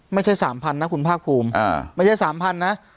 ไม่ใช่๓๐๐นะคุณภาคภูมิไม่ใช่๓๐๐นะ